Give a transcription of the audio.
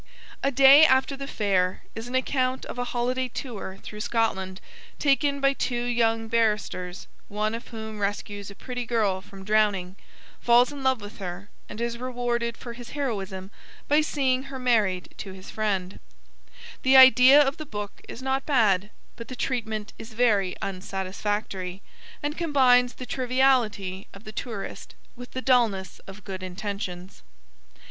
A Day after the Fair is an account of a holiday tour through Scotland taken by two young barristers, one of whom rescues a pretty girl from drowning, falls in love with her, and is rewarded for his heroism by seeing her married to his friend. The idea of the book is not bad, but the treatment is very unsatisfactory, and combines the triviality of the tourist with the dulness of good intentions.